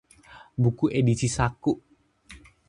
buku edisi saku